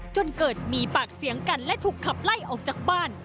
จนเกิดมีปากเสียงกันและถูกขับไล่ออกจากบ้าน